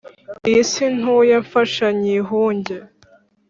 iyi si ntuye mfasha nyihunge